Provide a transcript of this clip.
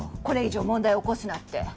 これ以上問題起こすなって。